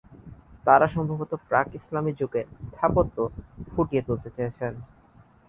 তারা সম্ভবত, প্রাক ইসলামি যুগের স্থাপত্য ফুটিয়ে তুলতে চেয়েছেন।